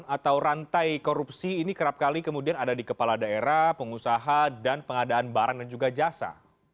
atau rantai korupsi ini kerap kali kemudian ada di kepala daerah pengusaha dan pengadaan barang dan juga jasa